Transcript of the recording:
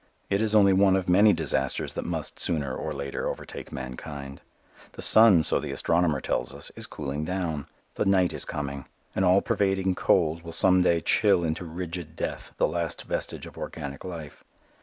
It is only one of many disasters that must sooner or later overtake mankind. The sun, so the astronomer tells us, is cooling down; the night is coming; an all pervading cold will some day chill into rigid death the last vestige of organic life.